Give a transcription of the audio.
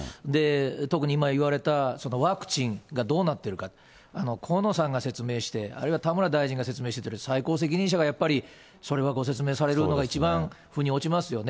特に今言われたワクチンがどうなってるか、河野さんが説明して、あるいは田村大臣が説明して、最高責任者がやっぱり、それはご説明されるのが一番ふに落ちますよね。